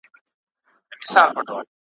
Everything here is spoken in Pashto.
مناجات ,